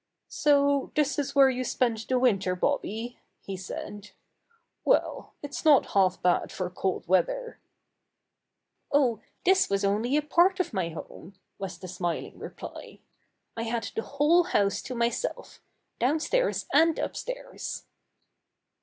"So this is where you spent the winter, Bobby?" he said. "Well, it's not half bad for cold weather." "Oh, this was only a part of my home," was the smiling reply. "I had the whole house Imprisoned in the Tower Room 19 to myself — downstairs and upstairs."